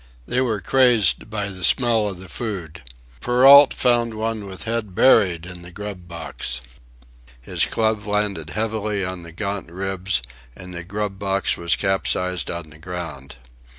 They were crazed by the smell of the food. Perrault found one with head buried in the grub box. His club landed heavily on the gaunt ribs, and the grub box was capsized on the ground.